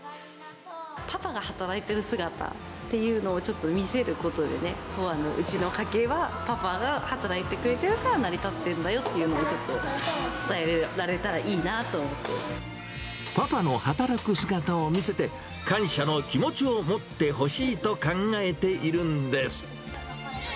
パパが働いてる姿っていうのをちょっと見せることでね、うちの家計は、パパが働いてくれてるから成り立ってるんだよっていうのをちょっパパの働く姿を見せて、感謝の気持ちを持ってほしいと考えているんです。